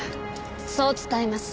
そう伝えます。